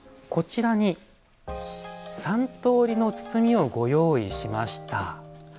こちらに３通りの包みをご用意しました。